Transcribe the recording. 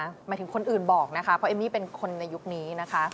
หมายถึงคนอื่นบอกนะคะเพราะเอมมี่เป็นคนในยุคนี้นะคะ